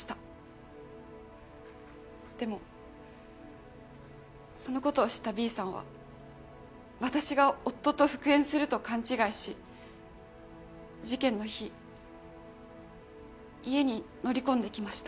でもそのことを知ったＢさんは私が夫と復縁すると勘違いし事件の日家に乗り込んできました。